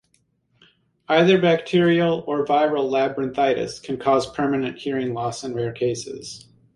Either bacterial or viral labyrinthitis can cause permanent hearing loss in rare cases.